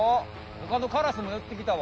ほかのカラスもよってきたわ。